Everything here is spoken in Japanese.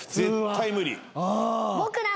絶対無理。